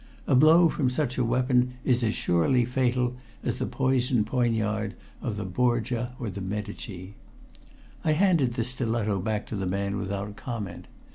A blow from such a weapon is as surely fatal as the poisoned poignard of the Borgia or the Medici. I handed the stiletto back to the man without comment.